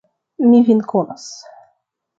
Mi vin konas.